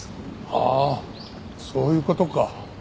ああそういう事か。